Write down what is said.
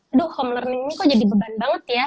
aduh home learning ini kok jadi beban banget ya